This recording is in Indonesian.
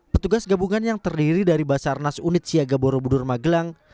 petugas gabungan yang terdiri dari basarnas unit siaga borobudur magelang